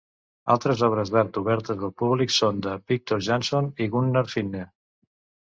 Altres obres d'art obertes al públic són de Viktor Jansson i Gunnar Finne.